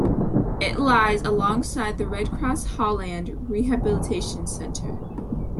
It lies alongside the Red Cross Haugland Rehabilitation Centre.